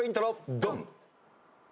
ドン！